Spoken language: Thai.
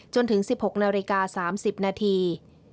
จนถึง๑๖นาฬิกา๓๐นาที